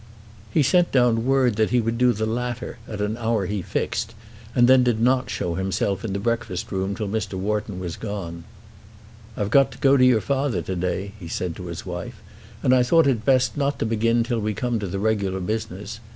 He sent down word that he would do the latter at an hour he fixed, and then did not show himself in the breakfast room till Mr. Wharton was gone. "I've got to go to your father to day," he said to his wife, "and I thought it best not to begin till we come to the regular business.